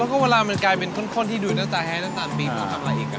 แล้วก็เวลามันกลายเป็นข้นที่ดูดน้ำตาลแห้งน้ำตาลปีนแล้วครับ